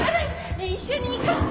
ねえ一緒に行こう。